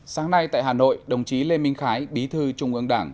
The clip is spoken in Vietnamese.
sáng nay tại hà nội đồng chí lê minh khái bí thư trung ương đảng